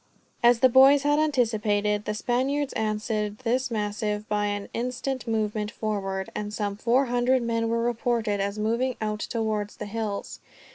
As the boys had anticipated, the Spaniards answered this missive by an instant movement forward; and some four hundred men were reported as moving out towards the hills.